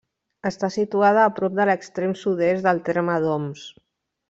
Està situada a prop de l'extrem sud-est del terme d'Oms.